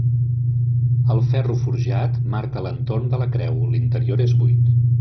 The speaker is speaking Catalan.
El ferro forjat marca l'entorn de la creu, l'interior és buit.